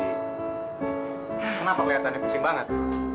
kenapa kelihatannya pusing banget